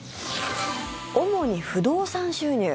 主に不動産収入。